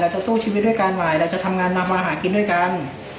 เราจะสู้ชีวิตด้วยกันใหม่เราจะทำงานน้ำมาหากินด้วยกัน